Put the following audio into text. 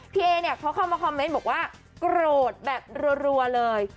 เอเนี่ยเขาเข้ามาคอมเมนต์บอกว่าโกรธแบบรัวเลย